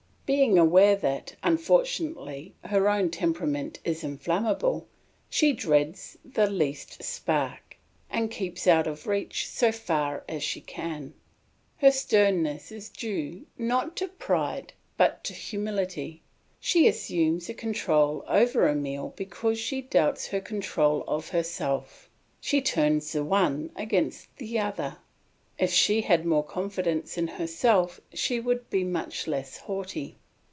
Being aware that, unfortunately, her own temperament is inflammable, she dreads the least spark, and keeps out of reach so far as she can. Her sternness is due not to pride but to humility. She assumes a control over Emile because she doubts her control of herself; she turns the one against the other. If she had more confidence in herself she would be much less haughty.